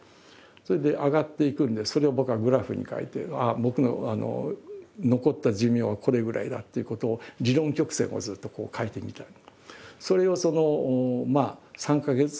それで上がっていくんでそれを僕はグラフに書いてああ僕の残った寿命はこれぐらいだっていうことを理論曲線をずっとこう書いてみたり。